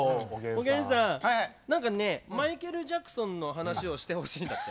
おげんさん何かねマイケル・ジャクソンの話をしてほしいんだって。